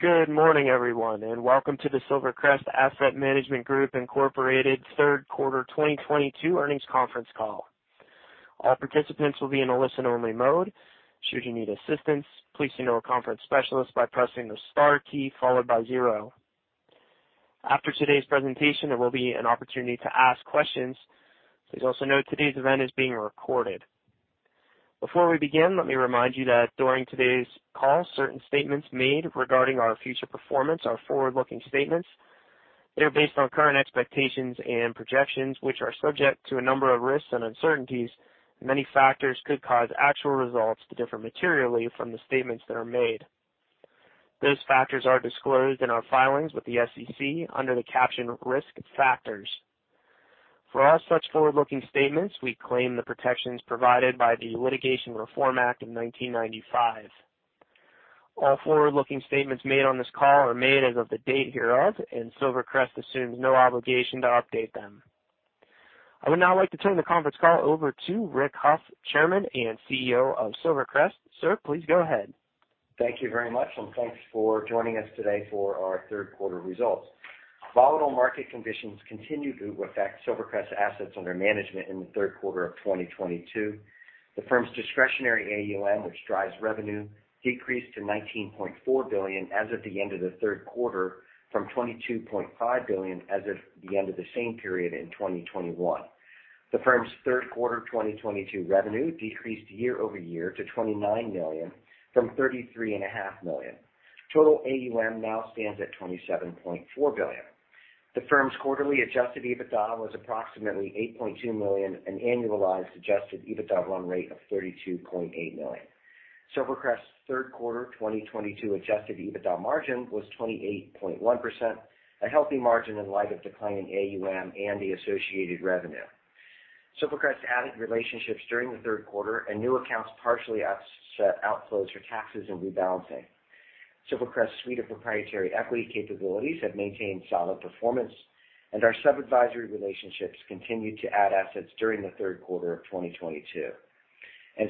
Good morning, everyone, and welcome to the Silvercrest Asset Management Group Inc. third quarter 2022 earnings conference call. All participants will be in a listen-only mode. Should you need assistance, please see our conference specialist by pressing the star key followed by zero. After today's presentation, there will be an opportunity to ask questions. Please also note today's event is being recorded. Before we begin, let me remind you that during today's call, certain statements made regarding our future performance are forward-looking statements. They are based on current expectations and projections, which are subject to a number of risks and uncertainties, and many factors could cause actual results to differ materially from the statements that are made. Those factors are disclosed in our filings with the SEC under the caption Risk Factors. For all such forward-looking statements, we claim the protections provided by the Private Securities Litigation Reform Act of 1995. All forward-looking statements made on this call are made as of the date hereof, and Silvercrest assumes no obligation to update them. I would now like to turn the conference call over to Rick Hough, Chairman and CEO of Silvercrest. Sir, please go ahead. Thank you very much, and thanks for joining us today for our third quarter results. Volatile market conditions continued to affect Silvercrest assets under management in the third quarter of 2022. The firm's discretionary AUM, which drives revenue, decreased to $19.4 billion as of the end of the third quarter from $22.5 billion as of the end of the same period in 2021. The firm's third quarter 2022 revenue decreased year-over-year to $29 million from $33.5 million. Total AUM now stands at $27.4 billion. The firm's quarterly Adjusted EBITDA was approximately $8.2 million, an annualized Adjusted EBITDA run rate of $32.8 million. Silvercrest's third quarter 2022 Adjusted EBITDA margin was 28.1%, a healthy margin in light of declining AUM and the associated revenue. Silvercrest added relationships during the third quarter, and new accounts partially offset outflows for taxes and rebalancing. Silvercrest's suite of proprietary equity capabilities have maintained solid performance, and our sub-advisory relationships continued to add assets during the third quarter of 2022.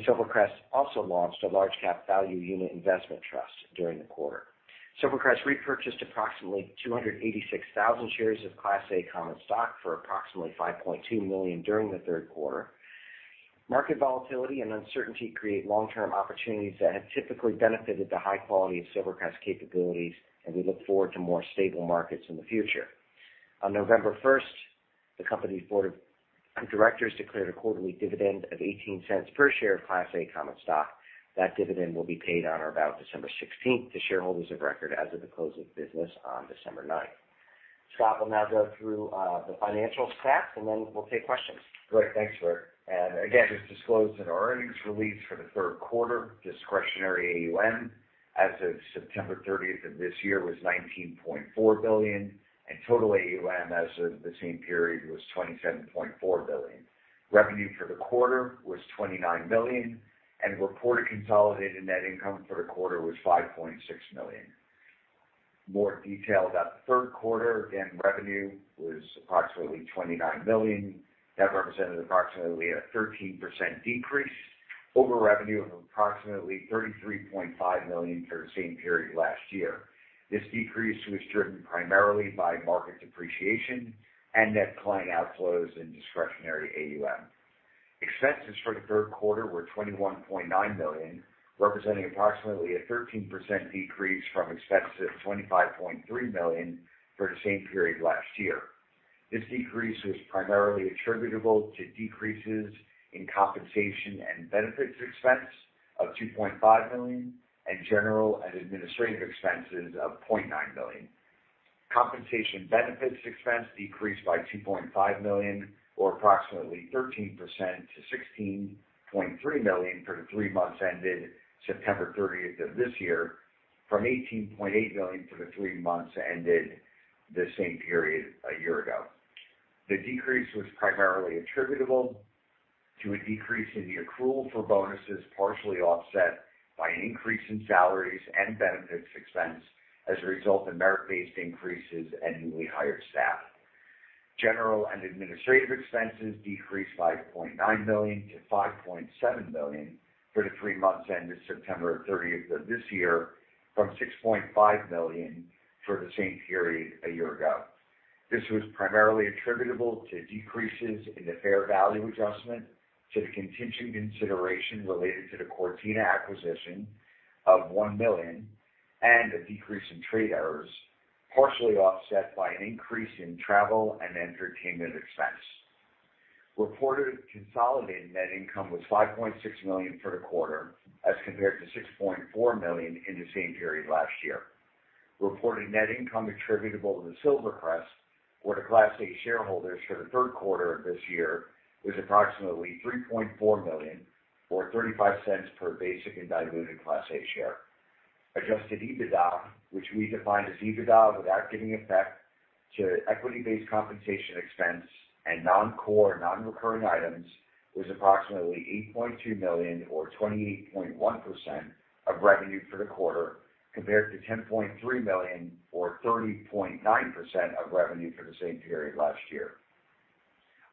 Silvercrest also launched a Large Cap Value unit investment trust during the quarter. Silvercrest repurchased approximately 286,000 shares of Class A common stock for approximately $5.2 million during the third quarter. Market volatility and uncertainty create long-term opportunities that have typically benefited the high quality of Silvercrest capabilities, and we look forward to more stable markets in the future. On November 1, the company's board of directors declared a quarterly dividend of $0.18 per share of Class A common stock. That dividend will be paid on or about December sixteenth to shareholders of record as of the close of business on December ninth. Scott will now go through the financial stats, and then we'll take questions. Great. Thanks, Rick. Again, as disclosed in our earnings release for the third quarter, discretionary AUM as of September 30 of this year was $19.4 billion, and total AUM as of the same period was $27.4 billion. Revenue for the quarter was $29 million, and reported consolidated net income for the quarter was $5.6 million. More detail about the third quarter. Again, revenue was approximately $29 million. That represented approximately a 13% decrease over revenue of approximately $33.5 million for the same period last year. This decrease was driven primarily by market depreciation and net client outflows in discretionary AUM. Expenses for the third quarter were $21.9 million, representing approximately a 13% decrease from expenses of $25.3 million for the same period last year. This decrease was primarily attributable to decreases in compensation and benefits expense of $2.5 million and general and administrative expenses of $0.9 million. Compensation and benefits expense decreased by $2.5 million or approximately 13% to $16.3 million for the three months ended September 30 of this year from $18.8 million for the three months ended the same period a year ago. The decrease was primarily attributable to a decrease in the accrual for bonuses, partially offset by an increase in salaries and benefits expense as a result of merit-based increases and newly hired staff. General and administrative expenses decreased by $0.9 million to $5.7 million for the three months ended September 30 of this year from $6.5 million for the same period a year ago. This was primarily attributable to decreases in the fair value adjustment to the contingent consideration related to the Cortina acquisition of $1 million and a decrease in trade errors, partially offset by an increase in travel and entertainment expense. Reported consolidated net income was $5.6 million for the quarter as compared to $6.4 million in the same period last year. Reported net income attributable to the Silvercrest or the Class A shareholders for the third quarter of this year was approximately $3.4 million or $0.35 per basic and diluted Class A share. Adjusted EBITDA, which we define as EBITDA without giving effect to equity-based compensation expense and non-core non-recurring items, was approximately $8.2 million or 28.1% of revenue for the quarter, compared to $10.3 million or 30.9% of revenue for the same period last year.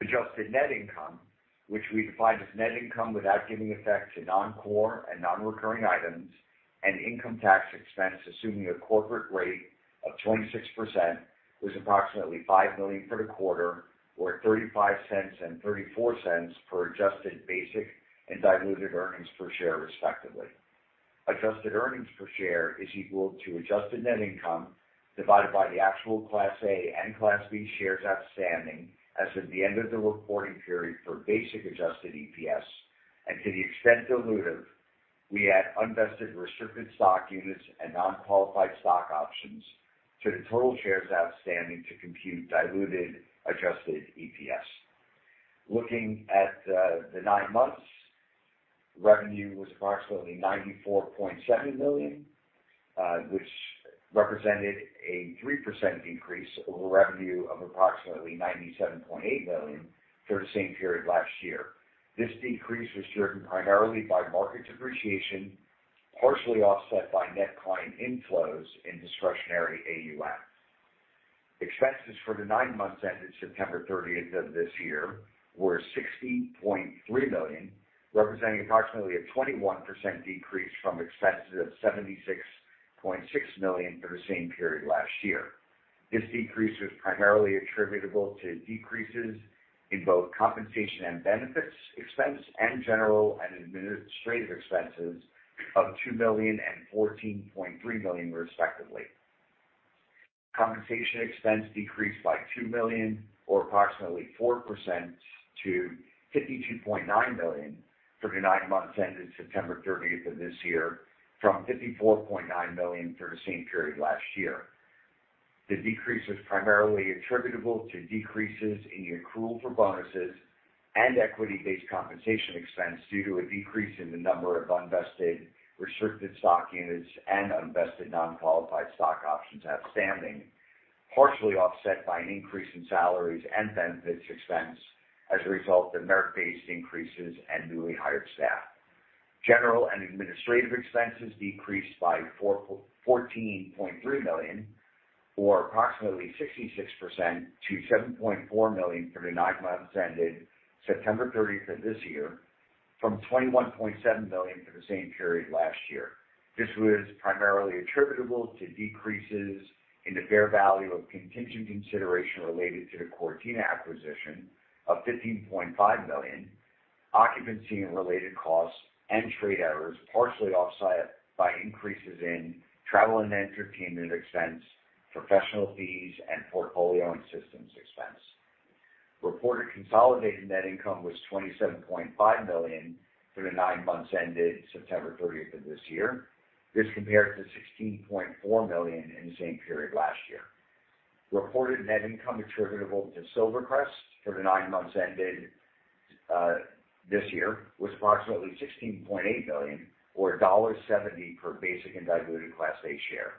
Adjusted net income, which we define as net income without giving effect to non-core and non-recurring items and income tax expense, assuming a corporate rate of 26%, was approximately $5 million for the quarter, or $0.35 and $0.34 per adjusted basic and diluted earnings per share, respectively. Adjusted earnings per share is equal to adjusted net income divided by the actual Class A and Class B shares outstanding as of the end of the reporting period for basic adjusted EPS. To the extent dilutive, we add unvested restricted stock units and non-qualified stock options to the total shares outstanding to compute diluted Adjusted EPS. Looking at the nine months, revenue was approximately $94.7 million, which represented a 3% increase over revenue of approximately $97.8 million for the same period last year. This decrease was driven primarily by market depreciation, partially offset by net client inflows in discretionary AUM. Expenses for the nine months ended September 30 of this year were $16.3 million, representing approximately a 21% decrease from expenses of $76.6 million for the same period last year. This decrease was primarily attributable to decreases in both compensation and benefits expense and general and administrative expenses of $2 million and $14.3 million, respectively. Compensation expense decreased by $2 million or approximately 4% to $52.9 million for the nine months ended September 30 of this year from $54.9 million for the same period last year. The decrease was primarily attributable to decreases in the accrual for bonuses and equity-based compensation expense due to a decrease in the number of unvested restricted stock units and unvested non-qualified stock options outstanding, partially offset by an increase in salaries and benefits expense as a result of merit-based increases and newly hired staff. General and administrative expenses decreased by $14.3 million or approximately 66% to $7.4 million for the nine months ended September 30 of this year from $21.7 million for the same period last year. This was primarily attributable to decreases in the fair value of contingent consideration related to the Cortina acquisition of $15.5 million, occupancy and related costs and trade errors, partially offset by increases in travel and entertainment expense, professional fees, and portfolio and systems expense. Reported consolidated net income was $27.5 million for the nine months ended September 30th of this year. This compared to $16.4 million in the same period last year. Reported net income attributable to Silvercrest for the nine months ended this year was approximately $16.8 million or $1.70 per basic and diluted Class A share.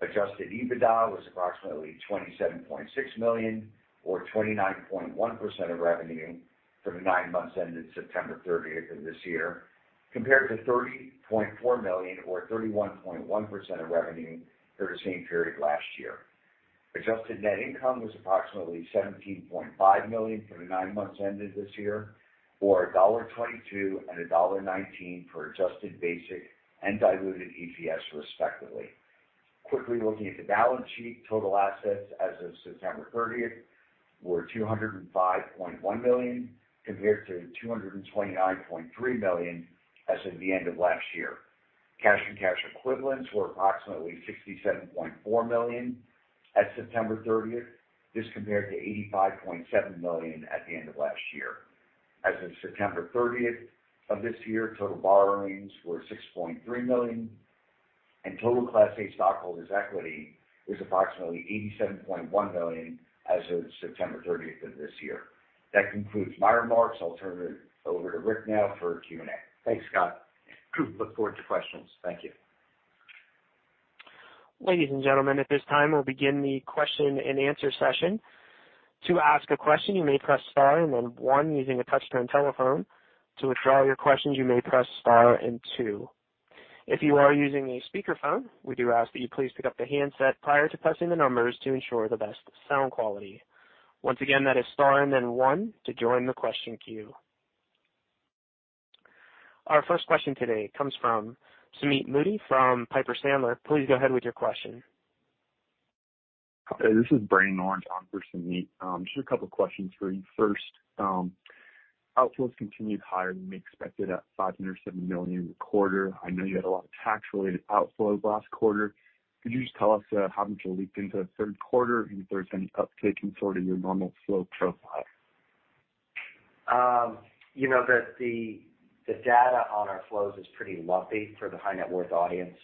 Adjusted EBITDA was approximately $27.6 million or 29.1% of revenue for the nine months ended September thirtieth of this year, compared to $30.4 million or 31.1% of revenue for the same period last year. Adjusted net income was approximately $17.5 million for the nine months ended this year or $1.22 and $1.19 per adjusted basic and diluted EPS, respectively. Quickly looking at the balance sheet, total assets as of September thirtieth were $205.1 million, compared to $229.3 million as of the end of last year. Cash and cash equivalents were approximately $67.4 million at September thirtieth. This compared to $85.7 million at the end of last year. As of September 30th of this year, total borrowings were $6.3 million, and total Class A stockholders' equity was approximately $87.1 million as of September 30th of this year. That concludes my remarks. I'll turn it over to Rick now for Q&A. Thanks, Scott. Look forward to questions. Thank you. Ladies and gentlemen, at this time, we'll begin the question-and-answer session. To ask a question, you may press star and then one using a touch-tone telephone. To withdraw your questions, you may press star and two. If you are using a speakerphone, we do ask that you please pick up the handset prior to pressing the numbers to ensure the best sound quality. Once again, that is star and then one to join the question queue. Our first question today comes from Sumeet Mody from Piper Sandler. Please go ahead with your question. This is Brandon Van Heyde on for Sumeet. Just a couple of questions for you. First, outflows continued higher than we expected at $570 million in the quarter. I know you had a lot of tax-related outflows last quarter. Could you just tell us how much it leaked into the third quarter, and if there's any uptick in sort of your normal flow profile? You know that the data on our flows is pretty lumpy for the high net worth audience,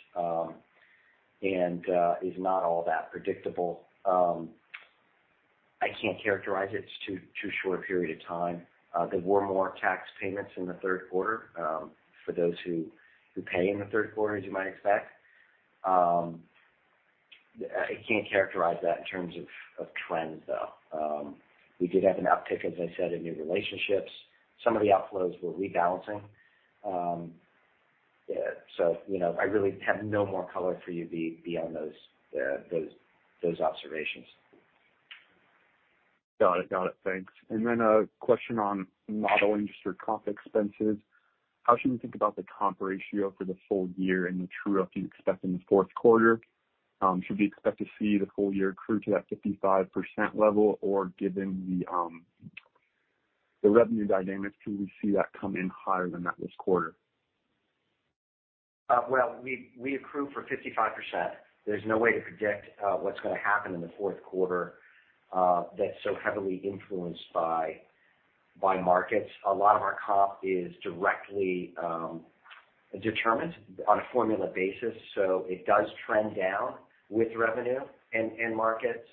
and is not all that predictable. I can't characterize it. It's too short a period of time. There were more tax payments in the third quarter, for those who pay in the third quarter, as you might expect. I can't characterize that in terms of trends, though. We did have an uptick, as I said, in new relationships. Some of the outflows were rebalancing. You know, I really have no more color for you beyond those observations. Got it. Thanks. A question on modeling just your comp expenses. How should we think about the comp ratio for the full year and the true-up you expect in the fourth quarter? Should we expect to see the full year accrue to that 55% level, or given the revenue dynamics, could we see that come in higher than that this quarter? Well, we accrue for 55%. There's no way to predict what's gonna happen in the fourth quarter, that's so heavily influenced by markets. A lot of our comp is directly determined on a formula basis. It does trend down with revenue and markets.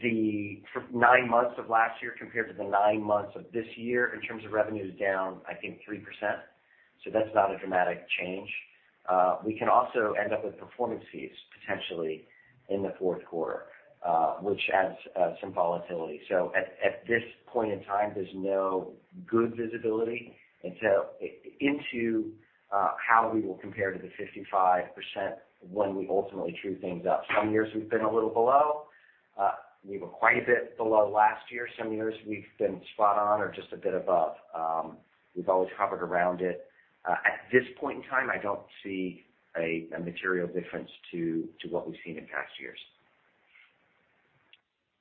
The nine months of last year compared to the nine months of this year in terms of revenue is down, I think, 3%. That's not a dramatic change. We can also end up with performance fees potentially in the fourth quarter, which adds some volatility. At this point in time, there's no good visibility until into how we will compare to the 55% when we ultimately true things up. Some years we've been a little below. We were quite a bit below last year. Some years we've been spot on or just a bit above. We've always hovered around it. At this point in time, I don't see a material difference to what we've seen in past years.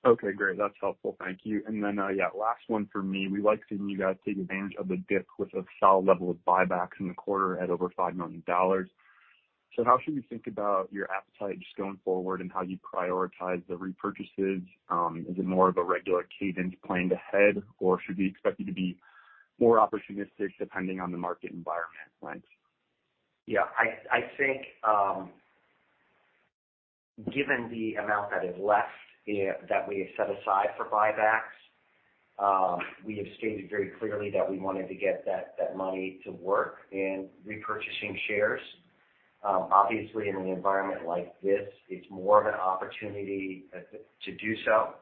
Okay, great. That's helpful. Thank you. Yeah, last one for me. We like seeing you guys take advantage of the dip with a solid level of buybacks in the quarter at over $500 million. How should we think about your appetite just going forward and how you prioritize the repurchases? Is it more of a regular cadence planned ahead, or should we expect you to be more opportunistic depending on the market environment, Lent? Yeah. I think, given the amount that is left, that we have set aside for buybacks, we have stated very clearly that we wanted to get that money to work in repurchasing shares. Obviously, in an environment like this, it's more of an opportunity to do so.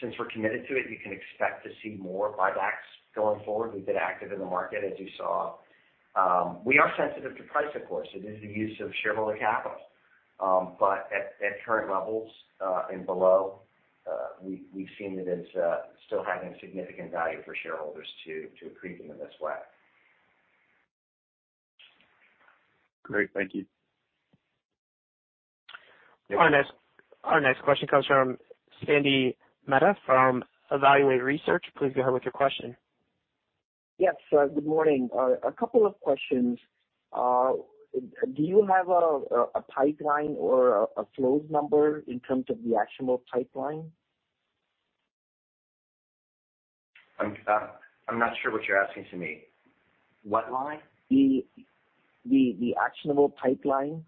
Since we're committed to it, you can expect to see more buybacks going forward. We've been active in the market, as you saw. We are sensitive to price, of course. It is the use of shareholder capital. But at current levels and below, we've seen that it's still having significant value for shareholders to accrete them in this way. Great. Thank you. You're welcome. Our next question comes from Sandy Mehta from Evaluate Research. Please go ahead with your question. Yes. Good morning. A couple of questions. Do you have a pipeline or a flows number in terms of the actionable pipeline? I'm not sure what you're asking, Sandy. What line? The actionable pipeline.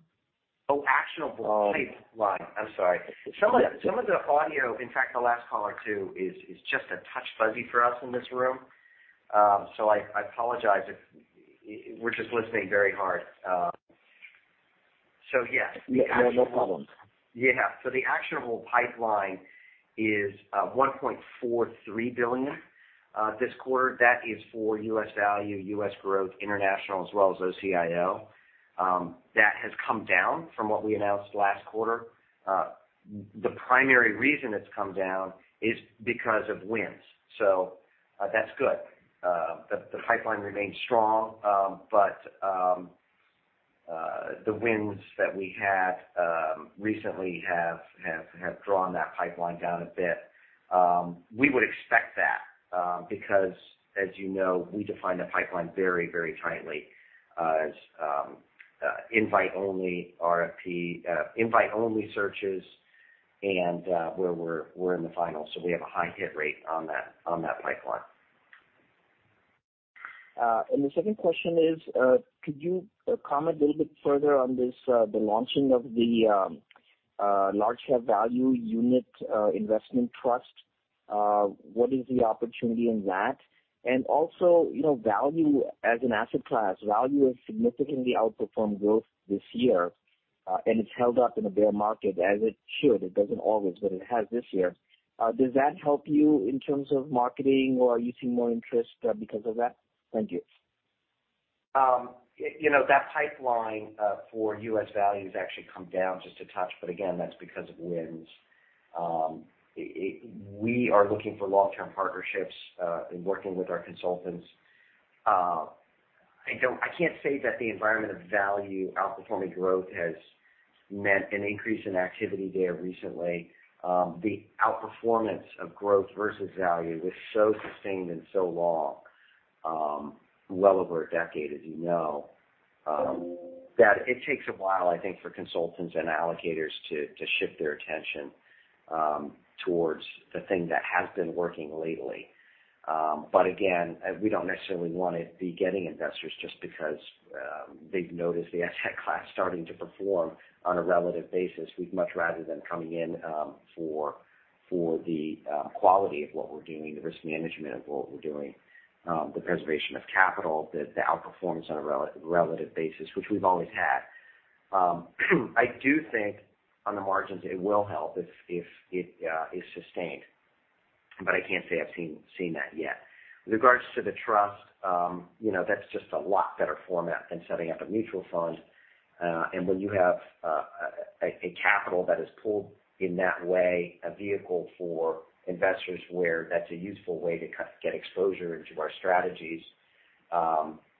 Oh, actionable pipeline. I'm sorry. Yeah. Some of the audio, in fact, the last caller too, is just a touch fuzzy for us in this room. We're just listening very hard. Yes, the actionable. Yeah. No, no problem. Yeah. The actionable pipeline is $1.43 billion this quarter. That is for U.S. value, U.S. growth, international, as well as OCIO. That has come down from what we announced last quarter. The primary reason it's come down is because of wins. That's good. The pipeline remains strong, but the wins that we had recently have drawn that pipeline down a bit. We would expect that, because as you know, we define the pipeline very, very tightly, as invite only RFP, invite only searches and where we're in the finals. We have a high hit rate on that pipeline. The second question is, could you comment a little bit further on this, the launching of the Large Cap Value unit investment trust? What is the opportunity in that? And also, you know, value as an asset class, value has significantly outperformed growth this year, and it's held up in a bear market, as it should. It doesn't always, but it has this year. Does that help you in terms of marketing or are you seeing more interest because of that? Thank you. You know, that pipeline for U.S. value has actually come down just a touch, but again, that's because of wins. We are looking for long-term partnerships in working with our consultants. I can't say that the environment of value outperforming growth has meant an increase in activity there recently. The outperformance of growth versus value was so sustained and so long, well over a decade, as you know, that it takes a while, I think, for consultants and allocators to shift their attention towards the thing that has been working lately. Again, we don't necessarily wanna be getting investors just because they've noticed the asset class starting to perform on a relative basis. We'd much rather them coming in for the quality of what we're doing, the risk management of what we're doing, the preservation of capital, the outperformance on a relative basis, which we've always had. I do think on the margins it will help if it is sustained. I can't say I've seen that yet. With regards to the trust, you know, that's just a lot better format than setting up a mutual fund. When you have a capital that is pooled in that way, a vehicle for investors where that's a useful way to get exposure into our strategies,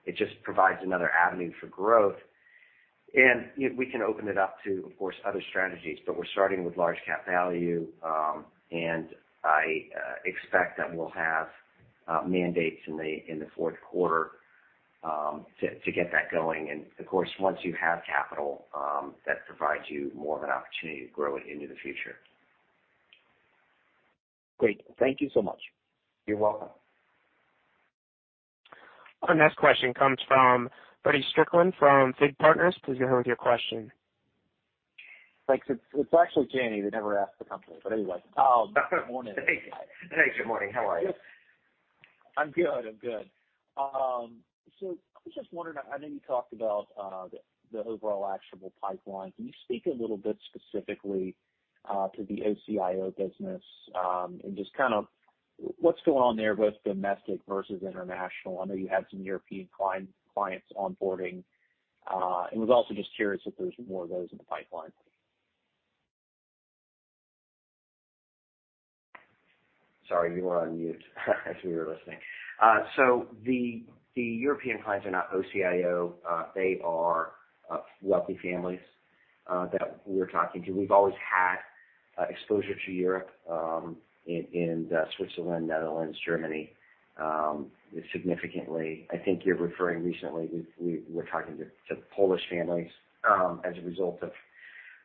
it just provides another avenue for growth. You know, we can open it up to, of course, other strategies. We're starting with large-cap value, and I expect that we'll have mandates in the fourth quarter to get that going. Of course, once you have capital, that provides you more of an opportunity to grow it into the future. Great. Thank you so much. You're welcome. Our next question comes from Feddie Strickland from FIG Partners. Please go ahead with your question. Thanks. It's actually Janney that never asks the company, but anyway. Oh. Good morning. Hey. Hey, good morning. How are you? I'm good. I was just wondering, I know you talked about the overall actionable pipeline. Can you speak a little bit specifically to the OCIO business and just kind of what's going on there, both domestic versus international? I know you had some European clients onboarding. I was also just curious if there's more of those in the pipeline. Sorry, you were on mute as we were listening. The European clients are not OCIO. They are wealthy families that we're talking to. We've always had exposure to Europe in Switzerland, Netherlands, Germany significantly. I think you're referring we're talking to Polish families as a result of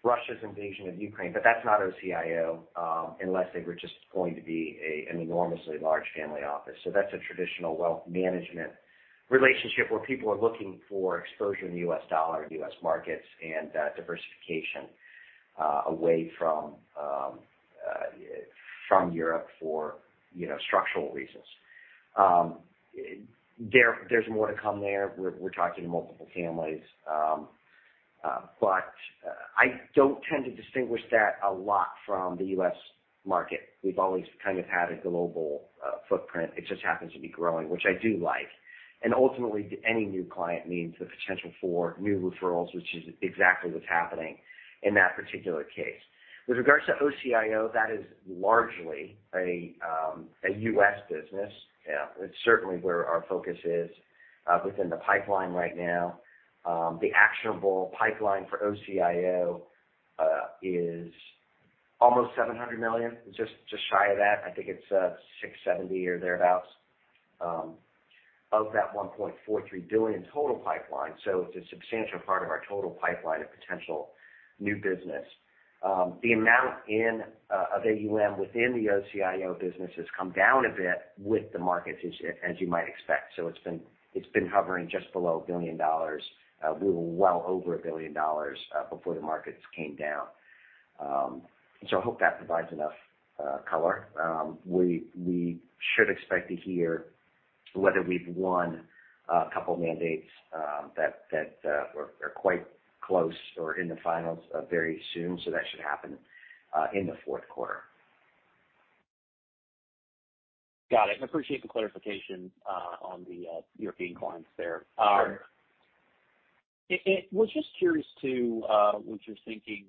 Russia's invasion of Ukraine. That's not OCIO unless they were just going to be an enormously large family office. That's a traditional wealth management relationship where people are looking for exposure in the U.S. dollar, U.S. markets and diversification away from Europe for you know structural reasons. There's more to come there. We're talking to multiple families. I don't tend to distinguish that a lot from the U.S. market. We've always kind of had a global footprint. It just happens to be growing, which I do like. Ultimately, any new client means the potential for new referrals, which is exactly what's happening in that particular case. With regards to OCIO, that is largely a U.S. business. It's certainly where our focus is within the pipeline right now. The actionable pipeline for OCIO is almost $700 million, just shy of that. I think it's $670 or thereabouts of that $1.43 billion in total pipeline. It's a substantial part of our total pipeline of potential new business. The amount of AUM within the OCIO business has come down a bit with the markets as you might expect. It's been hovering just below $1 billion. We were well over $1 billion before the markets came down. I hope that provides enough color. We should expect to hear whether we've won a couple mandates that we are quite close or in the finals very soon. That should happen in the fourth quarter. Got it. I appreciate the clarification on the European clients there. Sure. was just curious to what you're thinking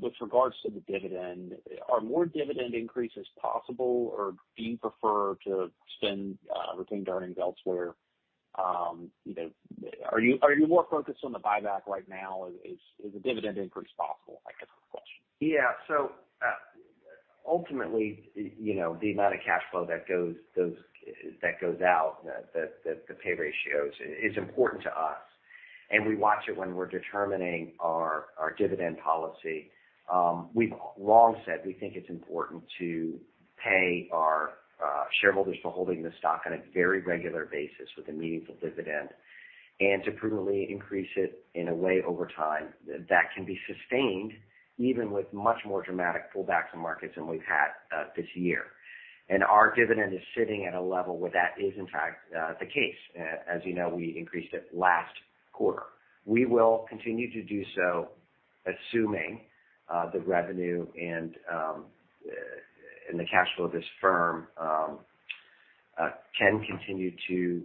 with regards to the dividend. Are more dividend increases possible, or do you prefer to spend retained earnings elsewhere? You know, are you more focused on the buyback right now? Is the dividend increase possible, I guess, is the question. Yeah. Ultimately, you know, the amount of cash flow that goes out, the pay ratios is important to us, and we watch it when we're determining our dividend policy. We've long said we think it's important to pay our shareholders for holding the stock on a very regular basis with a meaningful dividend, and to prudently increase it in a way over time that can be sustained even with much more dramatic pullbacks in markets than we've had this year. Our dividend is sitting at a level where that is in fact the case. As you know, we increased it last quarter. We will continue to do so, assuming the revenue and the cash flow of this firm can continue to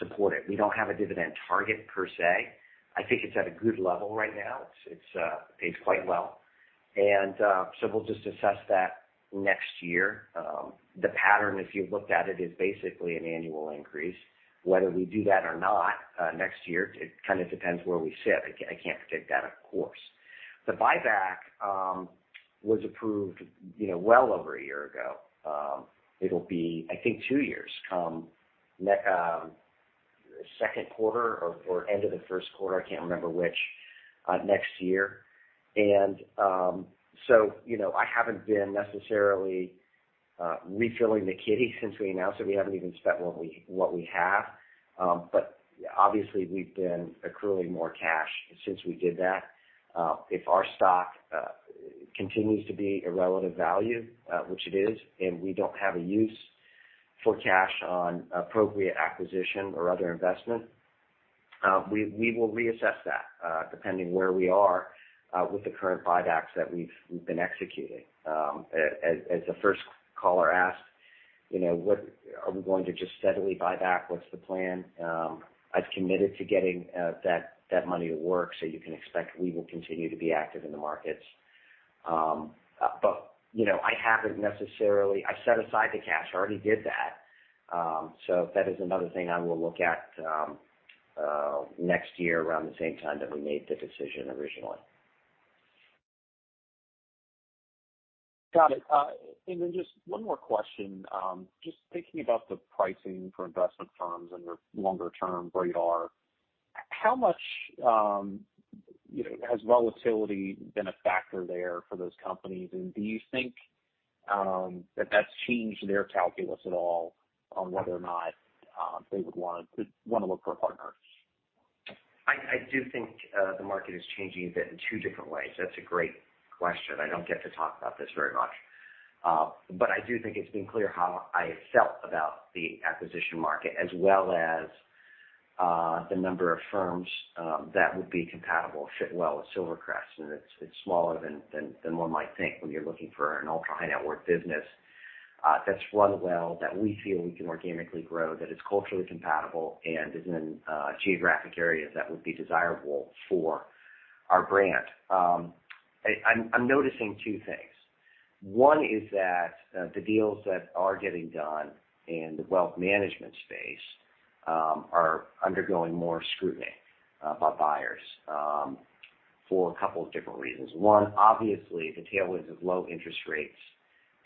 support it. We don't have a dividend target per se. I think it's at a good level right now. It pays quite well. We'll just assess that next year. The pattern, if you've looked at it, is basically an annual increase. Whether we do that or not next year, it kind of depends where we sit. I can't predict that, of course. The buyback was approved, you know, well over a year ago. It'll be, I think, two years come second quarter or end of the first quarter, I can't remember which, next year. You know, I haven't been necessarily refilling the kitty since we announced it. We haven't even spent what we have. Obviously we've been accruing more cash since we did that. If our stock continues to be a relative value, which it is, and we don't have a use of cash for appropriate acquisition or other investment. We will reassess that, depending on where we are with the current buybacks that we've been executing. As the first caller asked, you know, what are we going to just steadily buy back? What's the plan? I've committed to getting that money to work, so you can expect we will continue to be active in the markets. You know, I haven't necessarily. I set aside the cash, already did that. That is another thing I will look at next year around the same time that we made the decision originally. Got it. Just one more question. Just thinking about the pricing for investment firms and their longer term radar. How much, you know, has volatility been a factor there for those companies? And do you think that that's changed their calculus at all on whether or not they would wanna look for a partner? I do think the market is changing a bit in two different ways. That's a great question. I don't get to talk about this very much. I do think it's been clear how I felt about the acquisition market as well as the number of firms that would be compatible, fit well with Silvercrest. It's smaller than one might think when you're looking for an ultra-high-net-worth business that's run well, that we feel we can organically grow, that it's culturally compatible and is in geographic areas that would be desirable for our brand. I'm noticing two things. One is that the deals that are getting done in the wealth management space are undergoing more scrutiny by buyers for a couple of different reasons. One, obviously, the tailwinds of low interest rates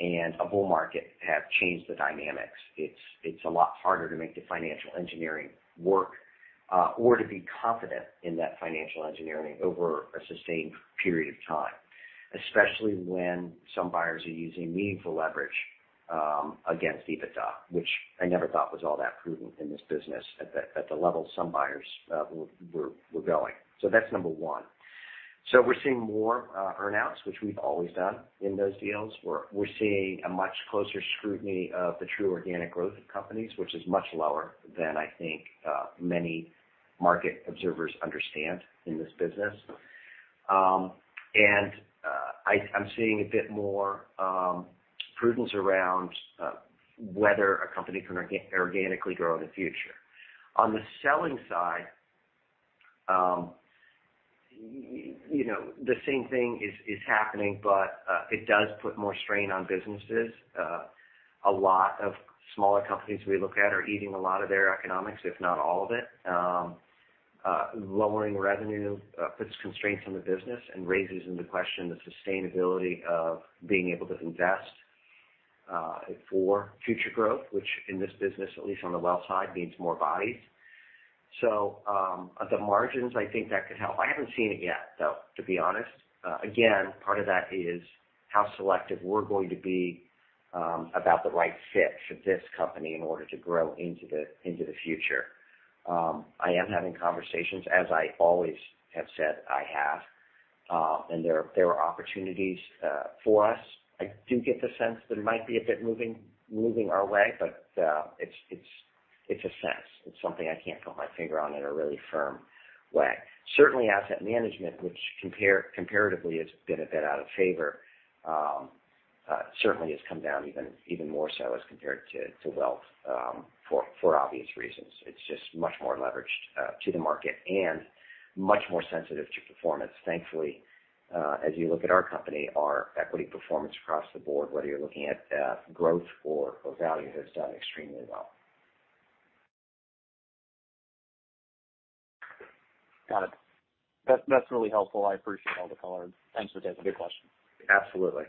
and a bull market have changed the dynamics. It's a lot harder to make the financial engineering work, or to be confident in that financial engineering over a sustained period of time, especially when some buyers are using meaningful leverage against EBITDA, which I never thought was all that prudent in this business at the level some buyers were going. That's number one. We're seeing more earn outs, which we've always done in those deals. We're seeing a much closer scrutiny of the true organic growth of companies, which is much lower than I think many market observers understand in this business. I'm seeing a bit more prudence around whether a company can organically grow in the future. On the selling side, you know, the same thing is happening, but it does put more strain on businesses. A lot of smaller companies we look at are eating a lot of their economics, if not all of it. Lowering revenue puts constraints on the business and calls into question the sustainability of being able to invest for future growth, which in this business, at least on the wealth side, means more bodies. At the margins, I think that could help. I haven't seen it yet, though, to be honest. Again, part of that is how selective we're going to be about the right fit for this company in order to grow into the future. I am having conversations, as I always have said I have. There are opportunities for us. I do get the sense that it might be a bit moving our way, but it's a sense. It's something I can't put my finger on in a really firm way. Certainly asset management, which comparatively has been a bit out of favor, certainly has come down even more so as compared to wealth, for obvious reasons. It's just much more leveraged to the market and much more sensitive to performance. Thankfully, as you look at our company, our equity performance across the board, whether you're looking at growth or value, has done extremely well. Got it. That's really helpful. I appreciate all the color. Thanks for taking the question. Absolutely.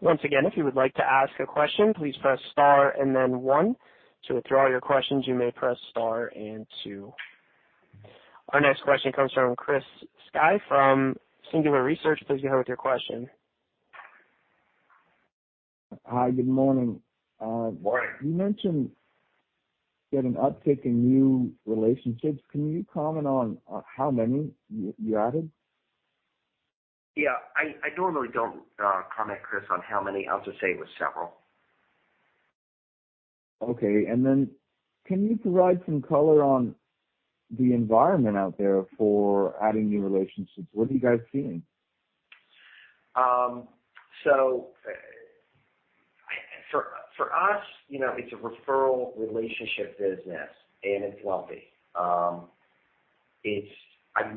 Once again, if you would like to ask a question, please press star and then one. To withdraw your questions, you may press star and two. Our next question comes from Christopher Sakai from Singular Research. Please go ahead with your question. Hi, good morning. Morning. You mentioned getting uptick in new relationships. Can you comment on how many you added? Yeah. I normally don't comment, Chris, on how many. I'll just say it was several. Okay. Can you provide some color on the environment out there for adding new relationships? What are you guys seeing? For us, you know, it's a referral relationship business, and it's lumpy. I've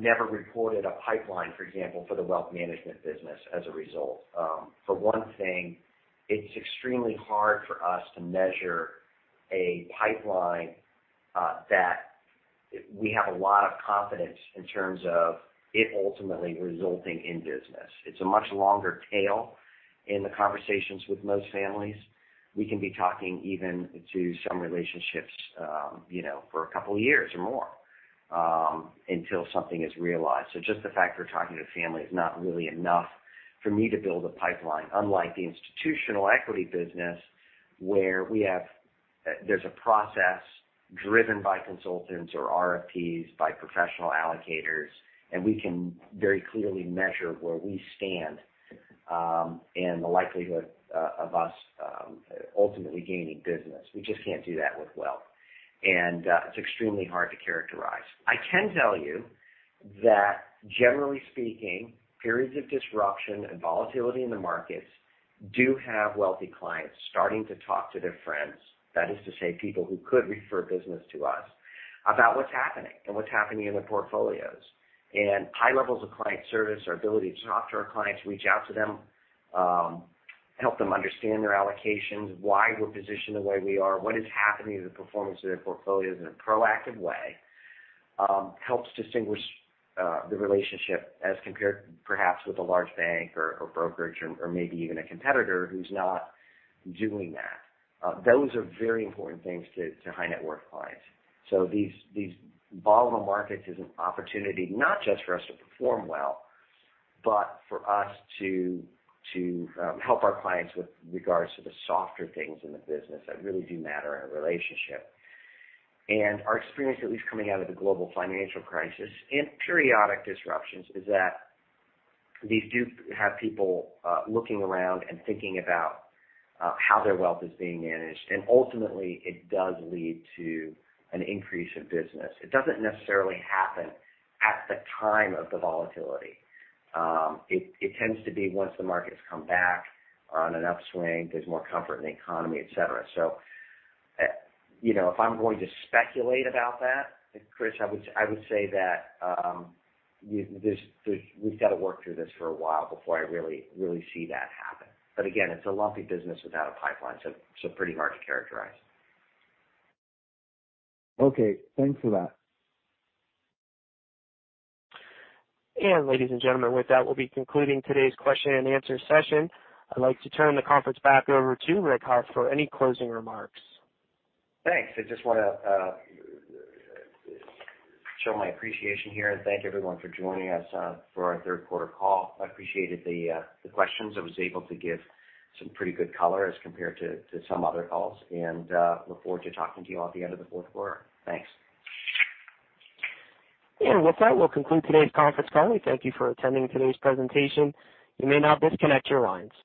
never reported a pipeline, for example, for the wealth management business as a result. For one thing, it's extremely hard for us to measure a pipeline that we have a lot of confidence in terms of it ultimately resulting in business. It's a much longer tail in the conversations with most families. We can be talking even to some relationships, you know, for a couple of years or more, until something is realized. Just the fact we're talking to family is not really enough for me to build a pipeline. Unlike the institutional equity business, where we have a process driven by consultants or RFPs by professional allocators, and we can very clearly measure where we stand in the likelihood of us ultimately gaining business. We just can't do that with wealth. It's extremely hard to characterize. I can tell you that generally speaking, periods of disruption and volatility in the markets do have wealthy clients starting to talk to their friends. That is to say, people who could refer business to us about what's happening and what's happening in their portfolios. High levels of client service, our ability to talk to our clients, reach out to them, help them understand their allocations, why we're positioned the way we are, what is happening to the performance of their portfolios in a proactive way, helps distinguish the relationship as compared perhaps with a large bank or brokerage or maybe even a competitor who's not doing that. Those are very important things to high net worth clients. These volatile markets is an opportunity not just for us to perform well, but for us to help our clients with regards to the softer things in the business that really do matter in a relationship. Our experience, at least coming out of the global financial crisis in periodic disruptions, is that these do have people looking around and thinking about how their wealth is being managed. Ultimately it does lead to an increase in business. It doesn't necessarily happen at the time of the volatility. It tends to be once the markets come back on an upswing, there's more comfort in the economy, et cetera. You know, if I'm going to speculate about that, Chris Skye, I would say that this, we've got to work through this for a while before I really, really see that happen. Again, it's a lumpy business without a pipeline, so pretty hard to characterize. Okay. Thanks for that. Ladies and gentlemen, with that, we'll be concluding today's question and answer session. I'd like to turn the conference back over to Rick Hough for any closing remarks. Thanks. I just wanna show my appreciation here and thank everyone for joining us for our third quarter call. I appreciated the questions. I was able to give some pretty good color as compared to some other calls and look forward to talking to you all at the end of the fourth quarter. Thanks. With that, we'll conclude today's conference call. We thank you for attending today's presentation. You may now disconnect your lines.